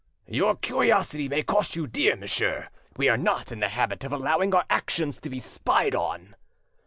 "Your curiosity may cost you dear, monsieur; we are not in the habit of allowing our actions to be spied on."